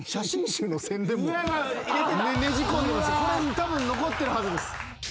たぶん残ってるはずです。